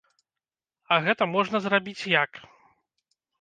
А гэта можна зрабіць як?